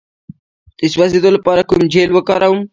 د سوځیدو لپاره کوم جیل وکاروم؟